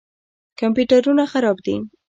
کمپیوټرونه خراب دي.